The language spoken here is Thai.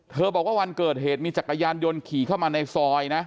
บอกว่าวันเกิดเหตุมีจักรยานยนต์ขี่เข้ามาในซอยนะ